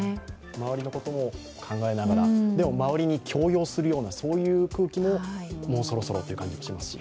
周りのことも考えながら、でも、周りに強要するような空気ももうそろそろという感じもしますし。